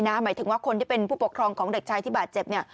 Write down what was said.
หมายถึงว่าคนที่เป็นผู้ปกครองของเด็กชายที่บาดเจ็บเนี่ย